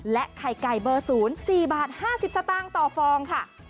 ไข่ไก่เบอร์๐๔บาท๕๐สตางค์ต่อฟองค่ะ